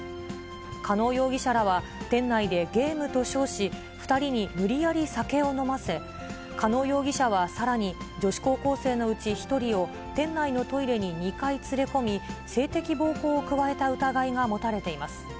加納容疑者らは店内でゲームと称し、２人に無理やり酒を飲ませ、加納容疑者はさらに女子高校生のうち１人を店内のトイレに２回連れ込み、性的暴行を加えた疑いが持たれています。